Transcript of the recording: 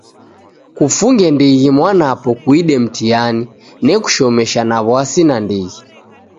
Kufunge ndighi mwanapo kuide mtihani. Nekushomesha na w'asi nandighi.